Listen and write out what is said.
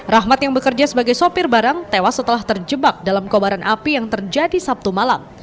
rahmat yang bekerja sebagai sopir barang tewas setelah terjebak dalam kobaran api yang terjadi sabtu malam